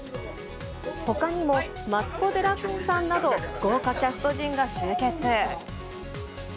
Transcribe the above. ほかにも、マツコ・デラックスさんなど、豪華キャスト陣が集結。